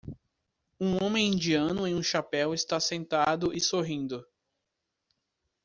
Um homem indiano em um chapéu está sentado e sorrindo.